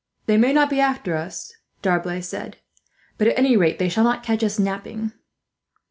"They may not be after us," D'Arblay said, "but at any rate, they shall not catch us napping."